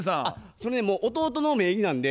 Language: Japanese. それ弟の名義なんで。